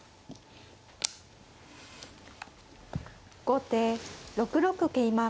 後手６六桂馬。